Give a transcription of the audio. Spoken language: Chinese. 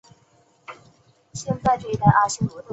大理国初期仍置永昌节度和银生节度。